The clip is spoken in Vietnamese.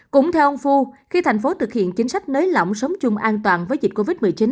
cũng theo ông phu khi thành phố thực hiện chính sách nới lỏng sống chung an toàn với dịch covid một mươi chín